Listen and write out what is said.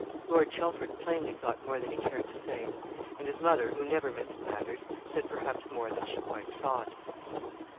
Lord Chelford plainly thought more than he cared to say; and his mother, who never minced matters, said perhaps more than she quite thought.